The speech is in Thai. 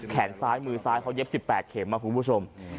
แขนซ้ายมือซ้ายเขาเย็บ๑๘เข็ม